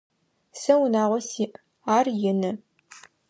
Сэ унагъо сиӏ, ар ины.